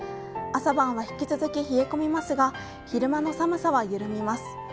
朝晩は引き続き冷え込みますが、昼間の寒さは緩みます。